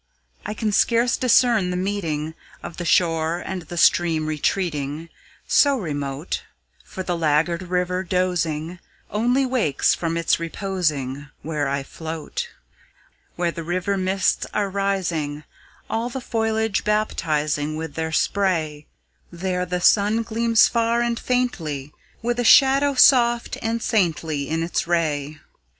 I can scarce discern the meeting Of the shore and stream retreating, So remote; For the laggard river, dozing, Only wakes from its reposing Where I float. Where the river mists are rising, All the foliage baptizing With their spray; There the sun gleams far and faintly, With a shadow soft and saintly, In its ray.